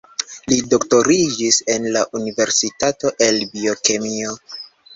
Li doktoriĝis en la universitato el biokemio.